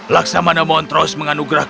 laksamana montrose menganugerahku